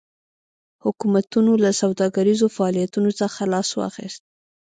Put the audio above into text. حکومتونو له سوداګریزو فعالیتونو څخه لاس واخیست.